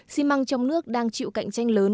xi măng trong nước đang chịu cạnh tranh lớn